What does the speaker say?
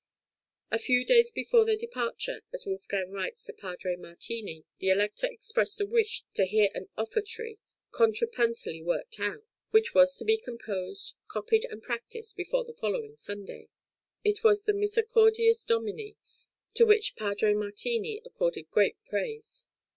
A few days before their departure, as Wolfgang writes to Padre Martini, the Elector expressed a wish to hear an offertory, contrapuntally worked out, which was to be composed, copied, and practised before the following Sunday. It was the "Misericordias Domini," to which Padre Martini accorded great praise.